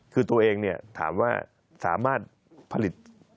คือตัวเองถามว่าสามารถผลิต